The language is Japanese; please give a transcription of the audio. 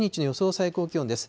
最高気温です。